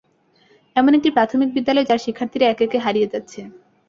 এমন একটি প্রাথমিক বিদ্যালয় যার শিক্ষার্থীরা একে একে হারিয়ে যাচ্ছে।